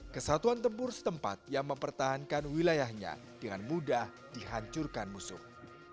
kesatuan tempur setempat yang mempertahankan wilayahnya dengan mudah dihancurkan musuh